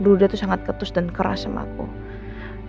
dulu dia sangat ketus dan keras sama saya